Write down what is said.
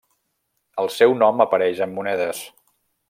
El seu nom apareix en monedes.